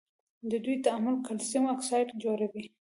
د دوی تعامل کلسیم اکساید جوړوي.